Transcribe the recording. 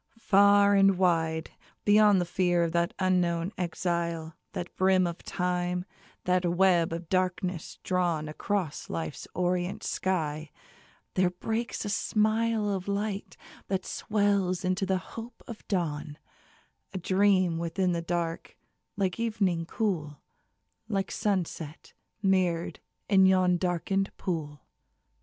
Far and wide, Beyond the fear of that unknown exile, That brim of Time, that web of darkness drawn Across Life's orient sky, there breaks a smile Of light that swells into the hope of dawn : A dream within the dark, like evening cool, Like sunset mirror'd in yon darken'd pool.